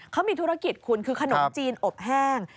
เขามีธุรกิจคุณคือขนมจีนอบแห้ง